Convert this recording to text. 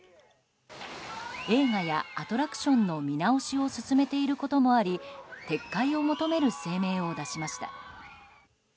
映画やアトラクションの見直しを進めていることもあり撤回を求める声明を出しました。